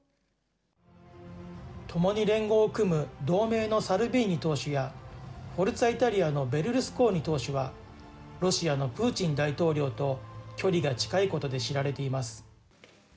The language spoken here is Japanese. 共に連合を組む同盟のサルビーニ党首やフォルツァ・イタリアのベルルスコーニ党首はロシアのプーチン大統領と距離が近いことで知られています。